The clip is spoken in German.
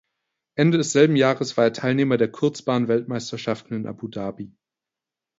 Ende desselben Jahres war er Teilnehmer der Kurzbahnweltmeisterschaften in Abu Dhabi.